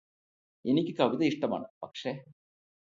എനിക്ക് കവിത ഇഷ്ടമാണ് പക്ഷേ